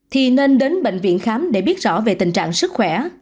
thì nên đến bệnh viện khám để biết rõ về tình trạng sức khỏe